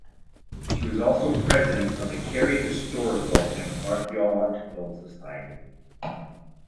She was also President of the Kerry Historical and Archaeological Society.